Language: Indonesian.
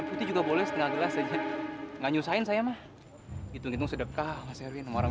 ini juga boleh setengah gelas aja enggak nyusahin saya mah hitung hitung sedekah mas erika orang